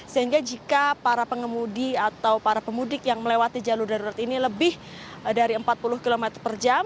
sehingga jika para pengemudi atau para pemudik yang melewati jalur darurat ini lebih dari empat puluh km per jam